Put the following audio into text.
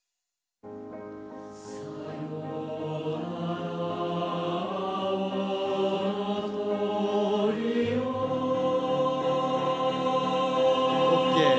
「さようなら青の鳥よ」ＯＫ。